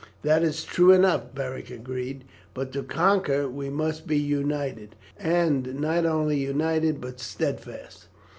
"That is true enough," Beric agreed; "but to conquer we must be united, and not only united but steadfast.